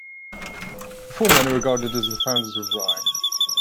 The four men are regarded as the founders of Rye.